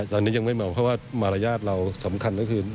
ตอนนี้ยังไม่มองมีประวัติธรรมเราสำคัญก็คือ